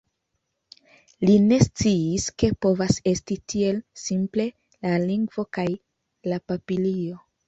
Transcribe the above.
Li ne sciis, ke povas esti tiel simple, la lingvo, kaj la papilio.